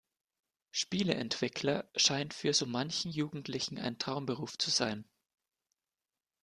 Spieleentwickler scheint für so manchen Jugendlichen ein Traumberuf zu sein.